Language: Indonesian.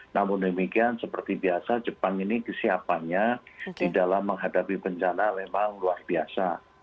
namun demikian seperti biasa jepang ini kesiapannya di dalam menghadapi bencana memang luar biasa